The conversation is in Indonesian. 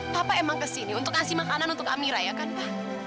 bapak emang kesini untuk ngasih makanan untuk amira ya kan pak